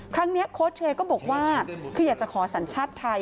โค้ชเชย์ก็บอกว่าคืออยากจะขอสัญชาติไทย